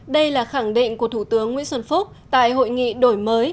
đây là khẳng định của thủ tướng nguyễn xuân phúc tại hội nghị đổi mới